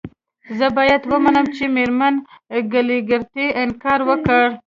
زه باید ومنم چې میرمن کلیګرتي انکار وکړ